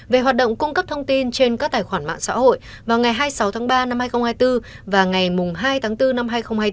về hoạt động cung cấp thông tin trên các tài khoản mạng xã hội vào ngày hai mươi sáu tháng ba năm hai nghìn hai mươi bốn và ngày hai tháng bốn năm hai nghìn hai mươi bốn